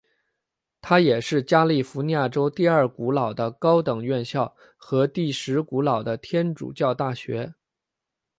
它也是加利福尼亚州第二古老的高等院校和第十古老的天主教大学。